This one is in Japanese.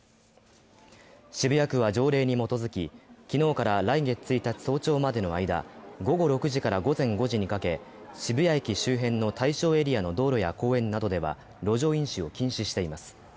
渋谷区は条例に基づき昨日から来月１日の早朝までの間午後６時から午前５時にかけ渋谷区周辺の対象エリアの道路や公園などでは路上飲酒を禁止しています。